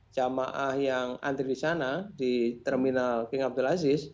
jamaah yang antri di sana di terminal king abdul aziz